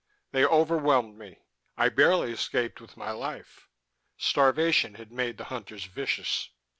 '" "They overwhelmed me; I barely escaped with my life. Starvation had made the Hunters vicious.